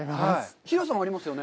広さもありますよね。